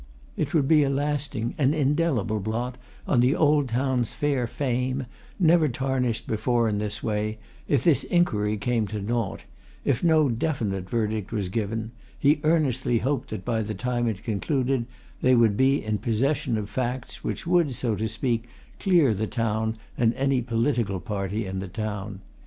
It would be a lasting, an indelible blot on the old town's fair fame, never tarnished before in this way, if this inquiry came to naught, if no definite verdict was given, he earnestly hoped that by the time it concluded they would be in possession of facts which would, so to speak, clear the town, and any political party in the town.